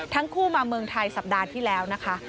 ทั้งคู่มาเมืองไทยสัปดาห์ที่แล้วนะคะ